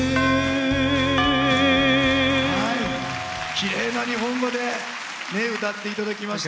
きれいな日本語で歌っていただきました。